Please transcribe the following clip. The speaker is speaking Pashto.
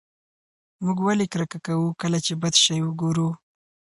موږ ولې کرکه کوو کله چې بد شی وګورو؟